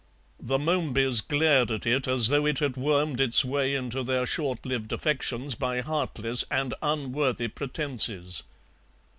The Momebys glared at it as though it had wormed its way into their short lived affections by heartless and unworthy pretences.